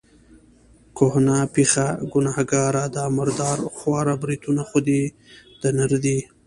کهنه پېخه، ګنهګاره، دا مردار خواره بریتونه خو دې د نر دي.